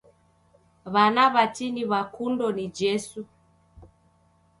W'ana w'atini w'akundo ni Jesu